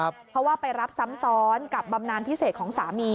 เพราะว่าไปรับซ้ำซ้อนกับบำนานพิเศษของสามี